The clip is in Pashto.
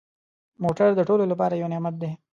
موټر د ټولو لپاره یو نعمت دی.